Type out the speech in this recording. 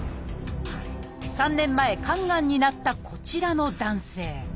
３年前肝がんになったこちらの男性